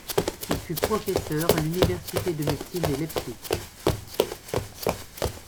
Il fut professeur à l'Université de médecine de Leipzig.